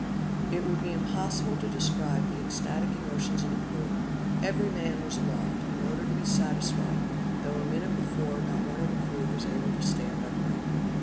It would be impossible to describe the ecstatic emotions of the crew: every man was aloft, in order to be satisfied; though, a minute before, not one of the crew was able to stand upright.